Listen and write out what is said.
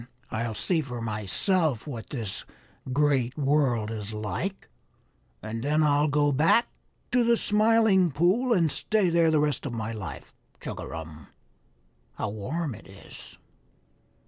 I'll see for myself what this Great World is like, and then I'll go back to the Smiling Pool and stay there the rest of my life. Chugarum, how warm it is!"